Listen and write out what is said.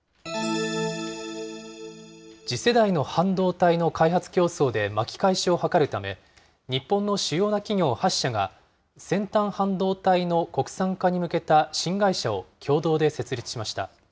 次世代の半導体の開発競争で巻き返しを図るため、日本の主要な企業８社が、先端半導体の国産化に向けた新会社を共同で設立しました。